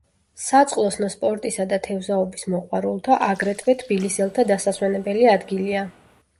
საწყლოსნო სპორტისა და თევზაობის მოყვარულთა, აგრეთვე თბილისელთა დასასვენებელი ადგილია.